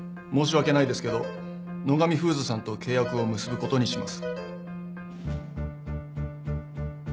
申し訳ないですけど野上フーズさんと契約を結ぶことにします。